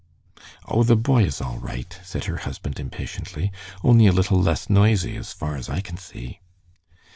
"O, the boy is all right," said her husband, impatiently. "Only a little less noisy, as far as I can see."